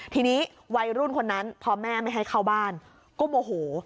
ทีนี้วัยรุ่นคนนั้นพอแม่ไม่ให้เข้าบ้านก็โมโห